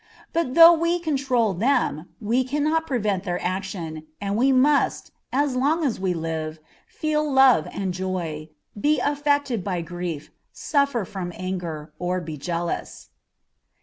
But though we control them, we cannot prevent their action, and we must, as long as we live, feel love and joy, be affected by grief, suffer from anger, or be jealous.